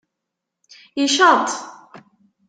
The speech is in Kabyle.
Icaṭ!